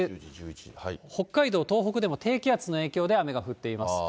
北海道、東北でも低気圧の影響で雨が降っています。